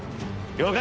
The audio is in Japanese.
了解！